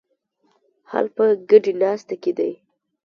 حل په ګډې ناستې کې دی.